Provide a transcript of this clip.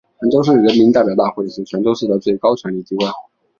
泉州市人民代表大会是泉州市的最高权力机关。